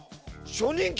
初任給。